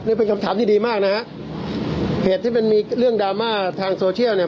นี่เป็นคำถามที่ดีมากนะฮะเหตุที่มันมีเรื่องดราม่าทางโซเชียลเนี่ย